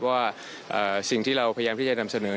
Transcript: ว่าสิ่งที่เราพยายามด้วยในใจทำเสนอ